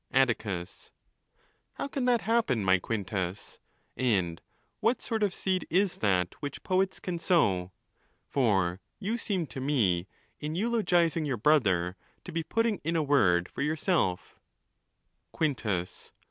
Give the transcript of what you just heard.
Atticus.—How can that happen, my Quintus? And what sort of seed is that which poets can sow? For you seem to me, in eulogizing your brother, to be putting in a word for yourself, Quintus.